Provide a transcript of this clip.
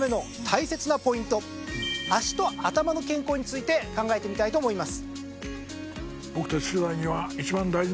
脚と頭の健康について考えてみたいと思います。